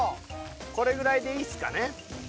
これぐらいでいいっすかね。